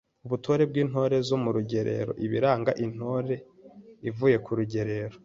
ubutore bw’Intore zo ku rugerero, ibiranga Intore ivuye kurugerero